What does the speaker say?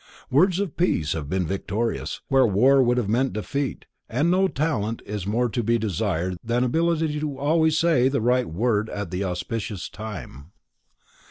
Words of Peace have been victorious, where war would have meant defeat, and no talent is more to be desired than ability to always say the right word at the auspicious time.